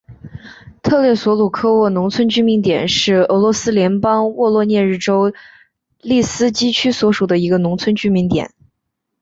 特列索鲁科沃农村居民点是俄罗斯联邦沃罗涅日州利斯基区所属的一个农村居民点。